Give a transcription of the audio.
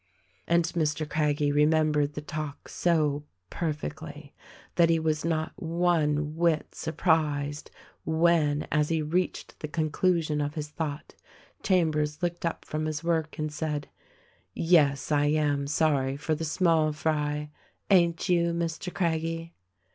And Mr. Craggie remembered the talk so perfectly that he was not one whit surprised when — as he reached the conclusion of his thought — Chambers looked up from his work and said, "Yes, I am sorry for the small fry — ain't you, Mr. Craggie?"